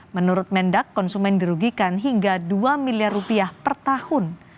menurut mendak konsumen dirugikan hingga dua miliar rupiah per tahun